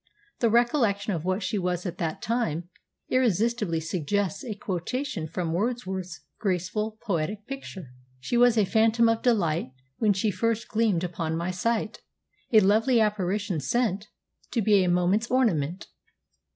The recollection of what she was at that time, irresistibly suggests a quotation from Wordsworth's graceful poetic picture: 'She was a Phantom of delight, When first she gleamed upon my sight; A lovely Apparition, sent To be a moment's ornament.